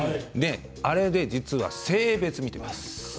それで性別を見ています。